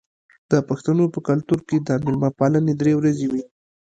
د پښتنو په کلتور کې د میلمه پالنه درې ورځې وي.